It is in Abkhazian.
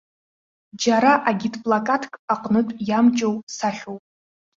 Џьара агитплакатк аҟнытә иамҷоу сахьоуп.